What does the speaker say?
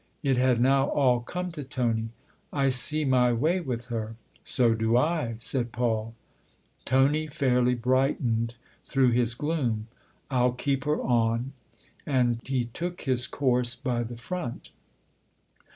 It had now all come to Tony. " I see my way with her." " So do I !" said Paul. Tony fairly brightened through his gloom. " I'll keep her on !" And he took his course by the front.